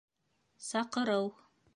Саҡырыу